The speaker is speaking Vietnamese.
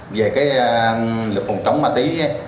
về luật phòng chống ma túy